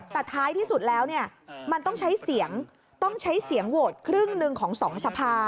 แต่ท้ายที่สุดแล้วมันต้องใช้เสียงโหวตครึ่งหนึ่งของ๒สภา